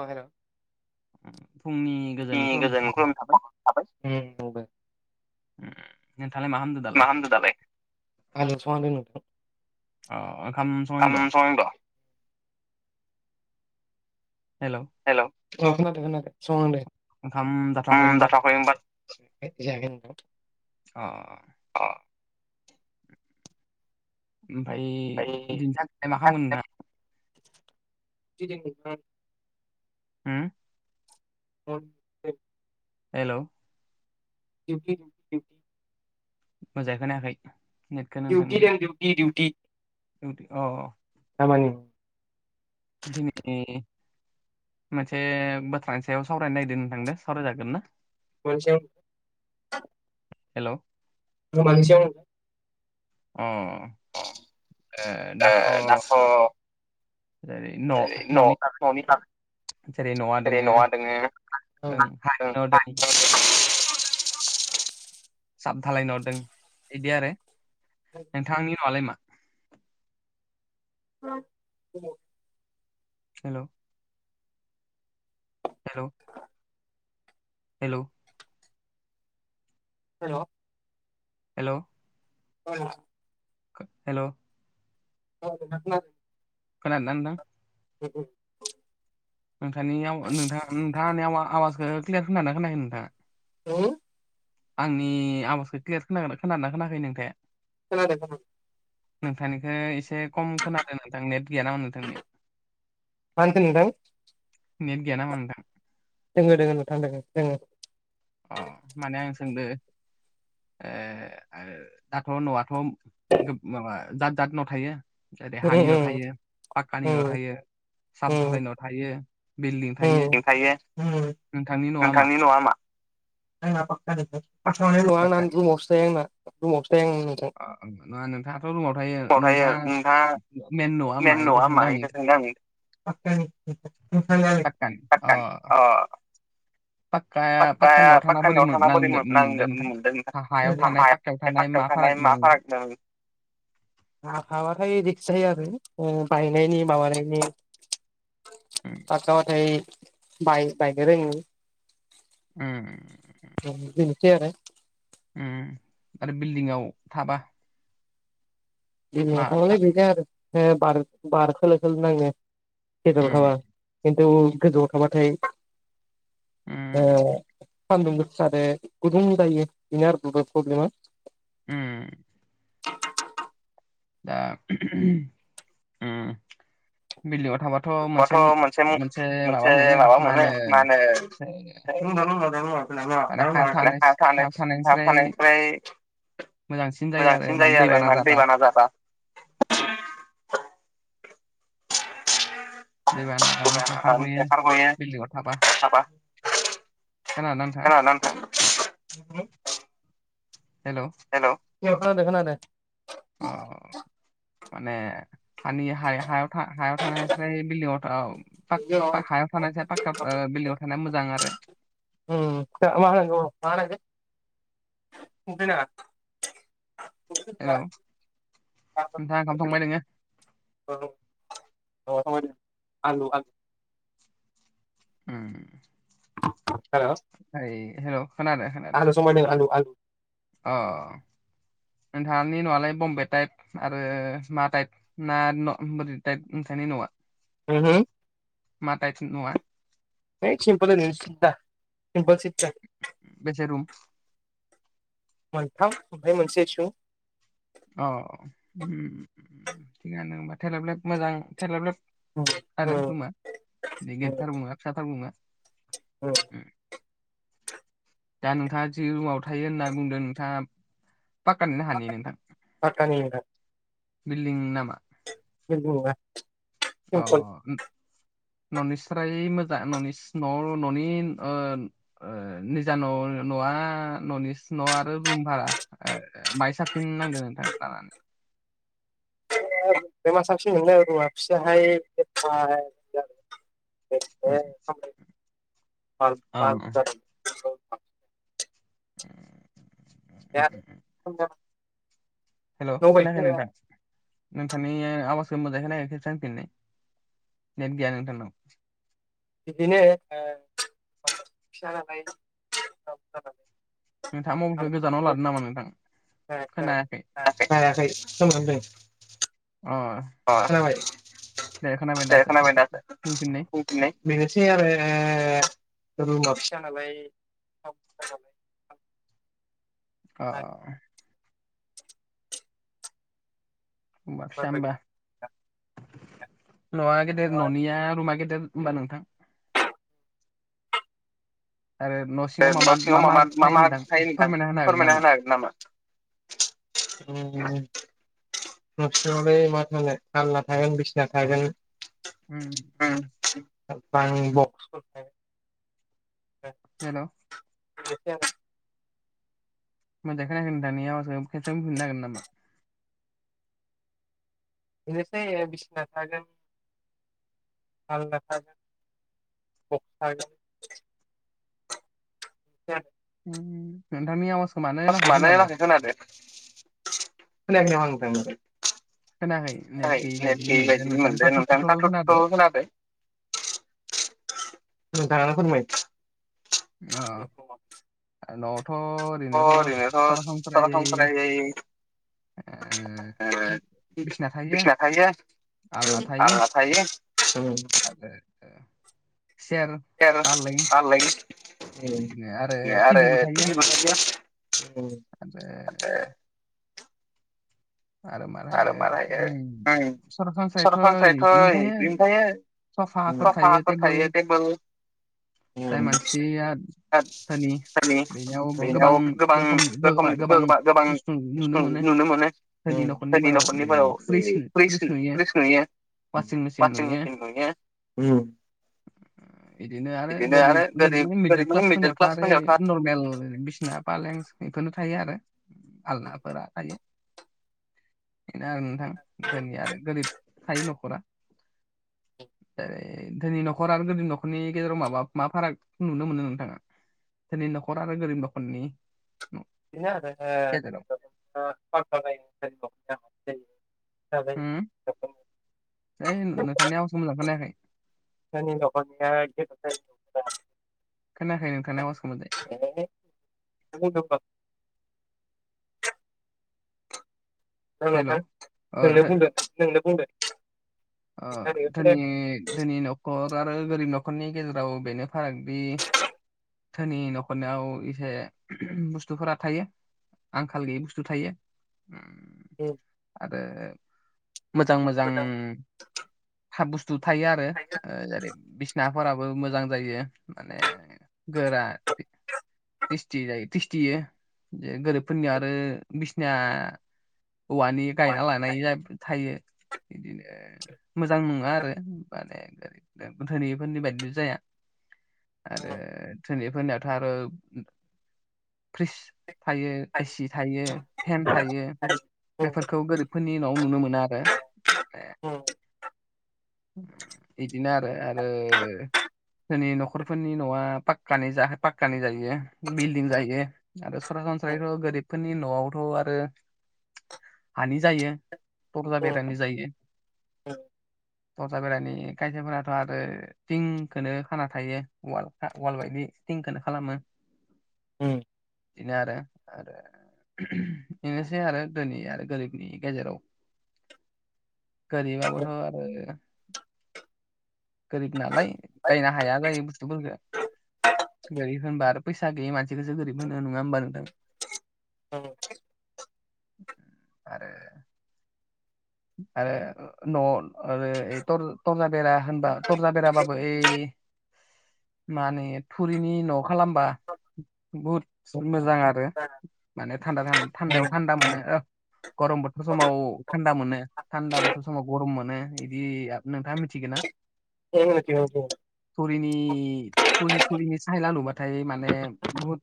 अ hello. फुंनि गोजान खुलुम बावहरनाय थाबाय नोंथालाय मा खामदों? मा खालामदों दालाय? [unintelligible] अ ओं खाम संगै द'? हेल'। हेल' औ खोनादों खोनादों संहांदों उम दाथाआखै जायाखै नोंथां। अ। अ। ओमफ्राय दिनै सानसेखौ मा खालामगोन नोथां? [unintelligible] हुम [unintelligible] हेलौ। [unintelligible] मोजाङै खोनायाखै। दिउथि दं दिउथि दिउथि। अ अ खामानि दिनै मोनसे बाथ्रानि सायाव सावरायनो नागिरदों थांदों सावरायजागोन ना [unintelligible] हेलौ ओ मानि सायाव होनदों? अ ओ दाथ' ओरैनो न' न'नि बागै जेरै न'आ दङो [inaudible] साब दालाय न दों बिदि आरो नोंथांनि न'आलाय मा? [inaudible] Hello hello hello hello hello [inaudible] hello औ नोंथां खोनादों खोनादोंना नोंथां? [unintelligible] नोंथांनि आव नोंथाङा नोंथांआ आवा-आवाजखौ क्लियार खनादोना खोनायाखै नोंथाङा? [unintelligible] आंनि आवाजखौ क्लियार खोनागोना खोनादों ना खोनाखै नोंथाङा? खोनादों थ' नोंथांनिखौ एसे खम खोनादों नोंथां नेट गैया नामा नोंथांनियाव? मा होनखो नोंथां? नेट गैयानामा नोंथां? दोंङो दोङो नोंथां दोङो दोङो। अ माने आं सोंदो ओओ दाथ' न'आथ' माबा जात जात न' थायो। जेरै हानि न' थायो पाक्कानि न' थायो सपधालाय न' थायो। [unintelligible] नोंथांनि न'आ मा? [unintelligible] रुमावसो थायो आं नै थायो नोंथाङा मेन नआ मा बेखौ सोंदों आं [unintelligible] [unintelligible] पाक्काया पाक्कानि न'आव थाना बोरै मो नांदों मोनदों नोंथां हा-हायाव थानाय पा खायाव थानाय मा फाराग दं? हाथाबाथाय रिस्क जायो आरो उम बायनायनि माबानायनि फाक्काबाथाय बाय बायनोरोङि। उम बेनोसै आरो उम आरो बिल्डिंआव थाबा बिलदिंआव थाबालाय बेनो आरो ओ बार बार खोलो खोलो नाङो गेजेराव थाबा। खिन्थु गोजौआव थाबाथाय ओ सान्दुं गोसादो गुदुं जायो बेनो आरो प्रब्लेमा उम। दा बिल्डिंआव थाबा बाथ' मोनसे मोनसे माबा मोनो मा होनो [unintelligible] [unintelligible] हायाव थानाय हायाव थानायनिफ्राय मोजांसिन जायो आरो माने दैबाना जाबा। दैबानानिफ्राय खारगयो बिल्डिंआव थाबा। थाबा। खोनादोना नोंथां? हेल'। हेल' अ खोनादो खोनादो। अ। माने सान ह हायाव हायाव थानास बिल्डिंआव पा हायाव थानायस पाक्का बिल्डिंआव थानाया मोजां आरो। [unintelligible] बिना। हेल' नोंथाङा ओंखाम संबाय नोङो? औ संबाय दोङो आलु आ उम। हेल' आलु संबाय दोङो आलु आलु। अ नोंथांनि न'आलाय बम्बे टाइप आरो मा टाइप? ना बोरै ताइप नोंसानि न'आ? ह ह। मा ताइपनि न'आ? न सिमपल सिदा सिमपोल सिदा बेसे रम मोनथाम ओमफ्राय मोनसे शु अ थिगानो होमबा थलााय बेले मोजां थलााय बेले दे आरो खुमा बे गेदथार बुङा फिसाथार बुङा [inaudible] म दा नोंथाङा जि रुमाव थायो होनना बुंदों नोंथाङा पाखकनो हानि नोंथां। फाथानि बिल्डं नामा? बिल्दिं नङा। अ न'निस्राय मोजां न'नि न' न'नि निजा न' न'आ न'नि न' आरो रुम भारा बाहाय साबसिन नांदों नोंथाङा लानानै बेमा साबसिन नोंलाय रुवा फिसाहाय बे ज [inaudible] खज हेल' खोनायाखै नोंथां नोंथांनि आवाजखौ मोजांैखौ नायो ख सानफिननो नेट गैया नोंथांनाव बिदिनो फिसा नालाय फिसा नालाय नोंथाङा मबाइलखौ गोजानाव लादों नामा नोंथां खोनायाखै [unintelligible] अ। अ खोनाबाय दे खोनाबाय दासो बुंफिननाय बेनोसै आरो रमा फिसा नालाय नालाय अ। सामबा ल गद ननिया रमा गद होमबा नोंथां। आरो न न' सिङाव मा मा मा थायो नोंथां फोरमायना होनो हागोन नामा [inaudible] न सिङावलाय मा थानो हालना थागोन बिसिना थागोन [inaudible] हेल' [inaudible] मोजां खोनायाखै दानि आवासखो खनसे बुंफिनो हागोन नामा? बेनोसै बिसिना थागोन आलना थागोन [unintelligible] [inaudible] नोंथांनि आवाजखौ मानो लाखै खोनादो खोनायाखै नामा नोंथांनि खो नेट गयै बायदि मोनदों नोंथां थाथ' थुथु खोनादों नोंथाङा फोरमाय न'आवथ' ओरैनोथ' सरासनस्रायै बिसिना थायो आलना थायो आरो सेर सेर आलाय आरो आरो मारायो सरासनस्रायैथ' बिनो थ सफाफोर थायो टेबोल जाय मानसिया बेयाव गोबां रोखोमनि गोबां बेसबां नुनो मोनो [inaudible] [inaudible] वासिं मेसिन नुयो [inaudible] बिदिनो आरो गोरिब गोरि माने मिडल क्लासफोरनियावथ' आरो नरमेल बिसिना फालें बेफोरनो थायो आरो आलनाफोरा थायो बेनो आरो नोंथां जोंनिया आरो गोरिब थायो न'खरा [inaudible] धोनि न'खर आरो गोरिब न'खरनि गेजेराव माबा मा फाराग नुनो मोनो नोंथाङा धोनि नखर आरो गरिब नखरनि [inaudible] नोंथांनि आवासखौ मोजांयै खोनायाखै [inaudible] खोनायाखै नोंथांनि आवासखौ मोजाङै [inaudible] [inaudible] औ नोंथां नोंनो बुंदो नोंनो बुंदो धोनि धोनि न'खर आरो गोरिब न'खरनि गेजेराव बेनो फारागदि धोनि न'खरनियाव इसे बुस्थुफोरा थायो आंखाल गैयै बुस्थु थायो औ आरो मोजां मोजां बुस्थु थायो आरो जेरै बिसनाफोराबो मोजां जायो माने गोरा स्थि जायो थ्रिस्थियो जे गोरिबफोरनियाव आरो बिसिना औवानि गायना लानाय थायो बिदिनो मोजां नङा आरो माने धोनिफोरनि बायदि जाया। आरो धोनिफोरनियाथ' आरो फ्रिज थायो एसि थायो फेन थायो। बेफोरखौ गोरिबफोरनि उनाव नुनो मोनो आरो बिदिनो आरो आरो धोनि न'खरफोरनि न'आ पाकानि जा पाकानि जायो बिल्डिं जायो। आरो सरासनस्रायैथ' गोरिबफोरनि न'आवथ' आरो हानि जायो [unintelligible] बेरानि जायो। तरजा बेरानि [unintelligible] आरो थिंखोनो खाना थायो उवाल अवाल बायदि टिंखौनो खालामो बिदिनो आरो आरो बेनोसै आरो घोनि आरो गोरिबनि गेजेराव गोरिबाबोथ' आरो गोरिब नालाय बायनो हाया जायो बुस्थुफोरखो गोरिब होनबा आरो फैसा गैयि मसिखौसो गोरिब होनो नङा ओमबा नोंथां? [inaudible] आरो आरो न' आरो यै तर तरजा बेरा होनबा तरजा बेराबाबो ओइ मानो थुरिनि न' खालामबा बहुत मोजां आरो माने थान्दा थान थान्दायाव थान्दा मोनो ओ गरम बोथोर समाव थान्दा मोनो। थान्दा बोथोर समाव गरम मोनो इदि नोंथाङा मिथिगो ना? [unintelligible] थरिनि थरि थरिनि सायला लुबाथाय माने बुहुत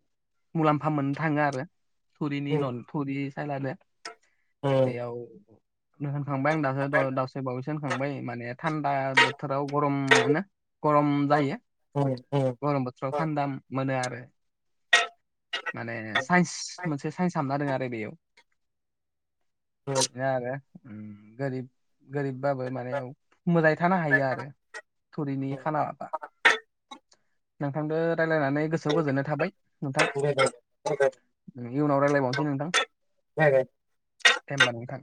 मुलाम्फा मोननो थाङो आरो थुरिनि न'न थुरि सायलादो बेयाव नो होनखांबाय आं दासो द दासो बावैसो होनखांबाय माने थान्दा बोथोराव गरम मोनो। गरम जाहैयो गरम बोथोराव थान्दा मोनो आरो। माने सायेन्स मोनसे सायेन्स हामना दं आरो बेयाव नो आरो उम गोरिब गोरिबबाबो माने औ मोजाङै थानो हायो आरो थुरिनि खाना नोंथांदो रायलायनानै गोसोआव गोजोननाय थाबाय नोंथां। [unintelligible] उनाव रायलायबावनोसै नोंथां। [unintelligible] दे ओमबा नोंथां।